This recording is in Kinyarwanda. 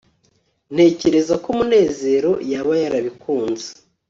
ntekereza ko munezero yaba yarabikunze